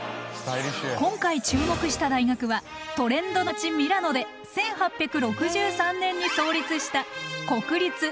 今回注目した大学はトレンドの街ミラノで１８６３年に創立した国立ミラノ工科大学。